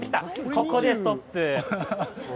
ここでストップ。